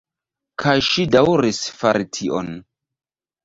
Kaj ŝi daŭris fari tion.